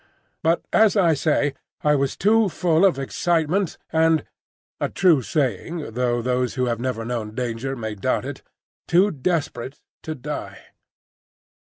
But, as I say, I was too full of excitement and (a true saying, though those who have never known danger may doubt it) too desperate to die.